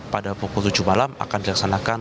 pada pukul tujuh malam akan dilaksanakan